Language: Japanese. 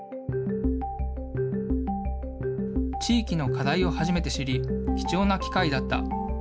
地域の課題を初めて知り、貴重な機会だった。